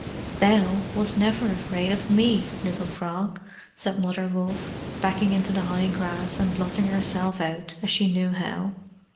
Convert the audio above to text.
"THOU wast never afraid of ME, Little Frog," said Mother Wolf, backing into the high grass, and blotting herself out, as she knew how.